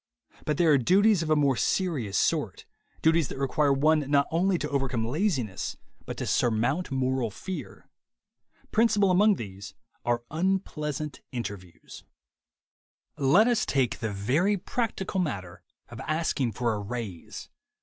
But there are duties of a more serious sort, duties that require one not only to overcome laziness but to surmount moral fear. Principal among these are unpleasant interviews. THE WAY TO WILL POWER 133 Let us take the very practical matter of asking for a raise.